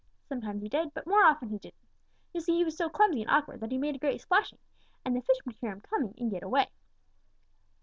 Sometimes he did, but more often he didn't. You see, he was so clumsy and awkward that he made a great splashing, and the fish would hear him coming and get away.